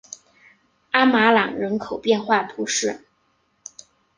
阿马朗人口变化图示